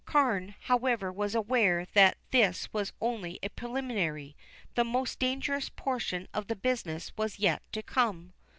Carne, however, was aware that this was only a preliminary; the most dangerous portion of the business was yet to come.